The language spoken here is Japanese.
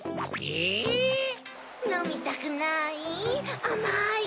えぇ？のみたくない？